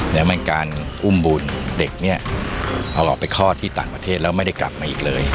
แล้วมันการอุ้มบุญเด็กเนี่ยเอาออกไปคลอดที่ต่างประเทศแล้วไม่ได้กลับมาอีกเลย